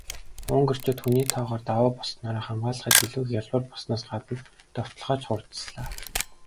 Унгарчууд хүний тоогоор давуу болсноороо хамгаалахад илүү хялбар болсноос гадна довтолгоо ч хурдаслаа.